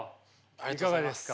いかがですか。